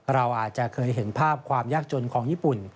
เราอาจจะเคยเห็นภาพความยากจนของญี่ปุ่น